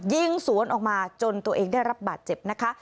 ยิงสวนออกมาจนตัวเองได้รับบาดเจ็บนะคะ